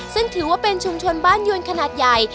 ซึ่งถือว่าเป็นชุมชนบ้านยวนขนาดใหญ่